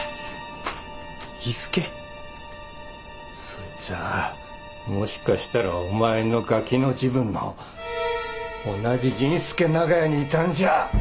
そいつはもしかしたらお前のガキの時分の同じ甚助長屋にいたんじゃ。